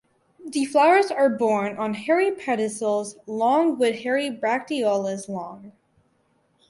The flowers are borne on hairy pedicels long with hairy bracteoles long.